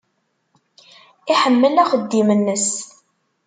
Iḥemmel axeddim-nnes.